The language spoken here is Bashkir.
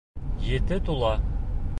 Ете тула!..